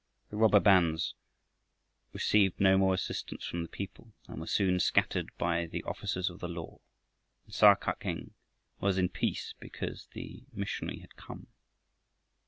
The robber bands received no more assistance from the people, and were soon scattered by the officers of the law. And Sa kak eng was in peace because the missionary had come.